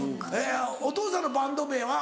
お父さんのバンド名は？